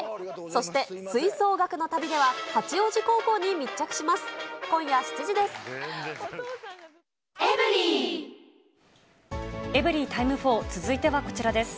そして吹奏楽の旅では、八王子高校に密着します。